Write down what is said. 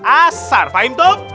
asar fahim tuh